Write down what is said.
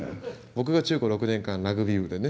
僕が中高６年間ラグビー部でね。